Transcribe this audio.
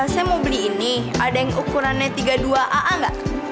saya mau beli ini ada yang ukurannya tiga puluh dua aa gak